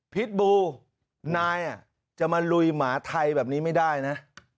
พิษบูนายจะมาลุยหมาไทยแบบนี้ไม่ได้นะ